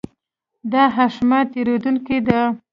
دا هښمه تېرېدونکې ده.